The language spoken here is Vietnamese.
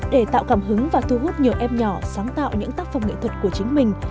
để tạo cảm hứng và thu hút nhiều em nhỏ sáng tạo những tác phẩm nghệ thuật của chính mình